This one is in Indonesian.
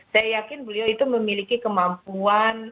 saya yakin beliau itu memiliki kemampuan